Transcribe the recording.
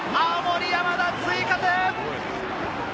青森山田追加点！